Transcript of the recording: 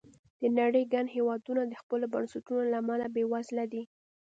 د نړۍ ګڼ هېوادونه د خپلو بنسټونو له امله بېوزله دي.